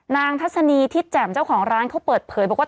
ทัศนีทิศแจ่มเจ้าของร้านเขาเปิดเผยบอกว่า